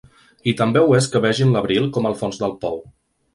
I també ho és que vegin l’abril com el fons del pou.